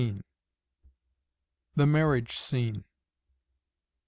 THE MARRIAGE SCENE.